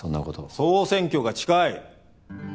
総選挙が近い。